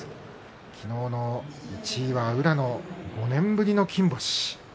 昨日の１位は宇良の５年ぶりの金星。